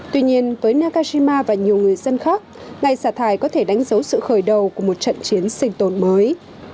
tuy nhiên với nakajima và nhiều người dân khác ngày xả thải có thể đánh dấu sự khởi đầu của một trận chiến sinh tồn mới